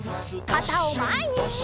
かたをまえに！